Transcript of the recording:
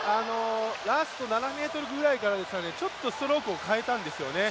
ラスト７ｍぐらいからちょっとストロークを変えたんですね。